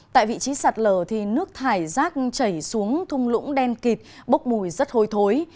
tại vị trí sạt lở nước thải rác chảy xuống thung lũng đen kịt bốc mùi rất hôi thối